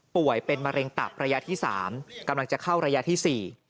ป่วยเป็นมะเร็งตับระยะที่๓กำลังจะเข้าระยะที่๔